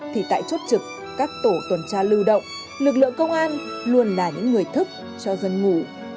thì tại chốt trực các tổ tuần tra lưu động lực lượng công an luôn là những người thức cho dân ngủ